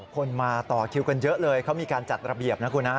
คนมาต่อคิวกันเยอะเลยเขามีการจัดระเบียบนะคุณฮะ